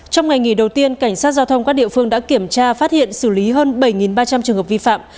trong ngày nghỉ đầu tiên cảnh sát giao thông các địa phương đã kiểm tra phát hiện xử lý hơn bảy ba trăm linh trường hợp vi phạm